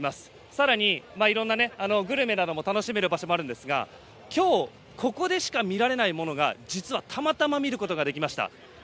さらに、いろんなグルメを楽しめる場所もあるんですが今日ここでしか見られないものが実はたまたま見ることができました。